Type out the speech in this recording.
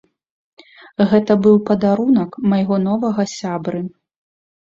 Гэта быў падарунак майго новага сябры.